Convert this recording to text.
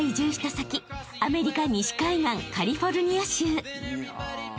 先アメリカ西海岸カリフォルニア州］